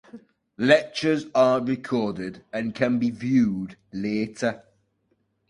Lectures are recorded and can be viewed later.